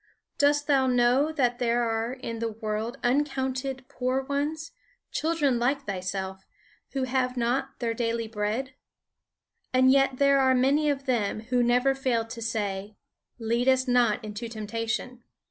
Dost thou know that there are in the world uncounted poor ones, children like thyself, who have not their daily bread? And yet there are many of them who never fail to say: 'Lead us not into temptation.'